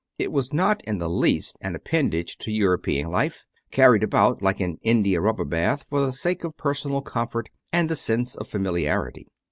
It was not in the least an appendage to European life, carried about (like an India rubber bath), for the sake of personal comfort and the sense of familiarity.